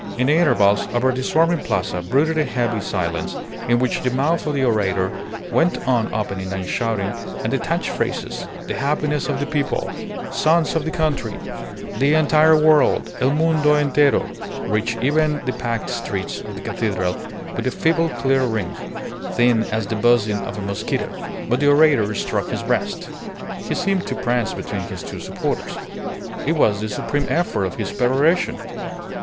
In the intervals, over the swarming Plaza brooded a heavy silence, in which the mouth of the orator went on opening and shutting, and detached phrases "The happiness of the people," "Sons of the country," "The entire world, el mundo entiero" reached even the packed steps of the cathedral with a feeble clear ring, thin as the buzzing of a mosquito. But the orator struck his breast; he seemed to prance between his two supporters. It was the supreme effort of his peroration.